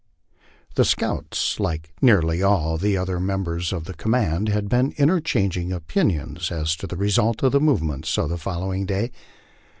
The scouts, like nearly all the other members of the command, had been interchanging opinions as to the result of the movements of the following day.